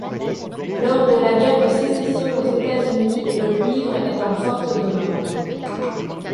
Lors de la Guerre de Sécession aux États-Unis, le cuivre est en forte demande.